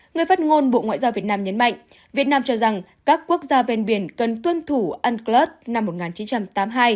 người phát ngôn bộ ngoại giao việt nam nhấn mạnh việt nam cho rằng các quốc gia ven biển cần tuân thủ unclus năm một nghìn chín trăm tám mươi hai